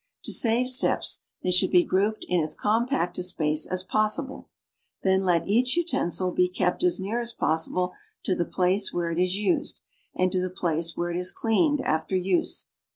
To save steps, they should be grouped in as compact a space as possible. Then let each utensil be kept as near as pos sible to the place where it is used and to the place where it is cleaned after use.